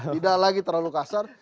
tidak lagi terlalu kasar